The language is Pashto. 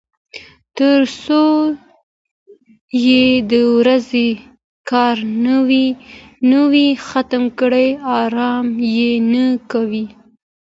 تر څو یې د ورځې کار نه وای ختم کړی ارام یې نه کاوه.